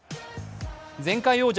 前回王者